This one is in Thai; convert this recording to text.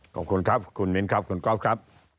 ขอบคุณครับคุณมิ้นครับคุณก๊อฟครับ